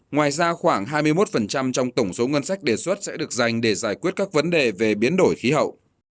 ngoài ra khoảng hai mươi một trong tổng số ngân sách đề xuất sẽ được dành để giải quyết các vấn đề về biến đổi khí hậu